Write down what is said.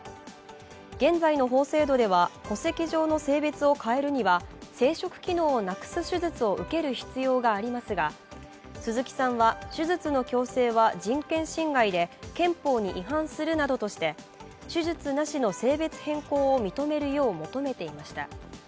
現在の法制度では、戸籍上の性別を変えるには生殖機能をなくす手術を受ける必要がありますが鈴木さんは手術の強制は人権侵害で憲法に違反するなどとして手術なしの性別変更を認めるよう求めていました。